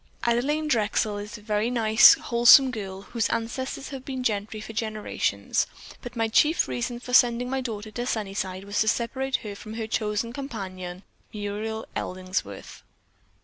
Adelaine Drexel is a very nice, wholesome girl, whose ancestors have been gentry for generations, but my chief reason for sending my daughter to Sunnyside was to separate her from her chosen companion, Muriel Ellingworth.